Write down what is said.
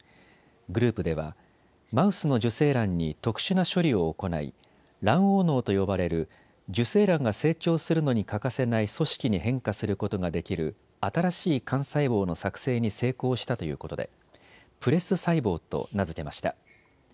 グループではマウスの受精卵に特殊な処理を行い卵黄のうと呼ばれる受精卵が成長するのに欠かせない組織に変化することができる新しい幹細胞の作製に成功したということでＰｒＥＳ細胞と名付けました。